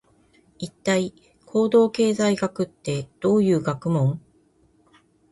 一体、行動経済学ってどういう学問？